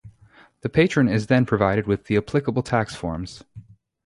The patron is then provided with the applicable tax forms.